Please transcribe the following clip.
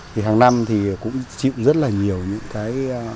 thì hàng năm thì cũng chịu rất là nhiều những cái